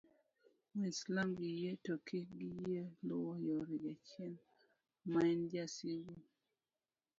mwislam gi yie to kik giyie luwo yore jachien maen jasigu